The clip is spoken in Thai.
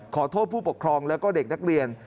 ขอโทษผู้ปกครองแล้วก็เด็กนักเรียน